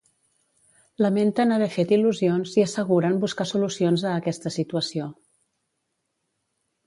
Lamenten haver fet il·lusions i asseguren buscar solucions a aquesta situació.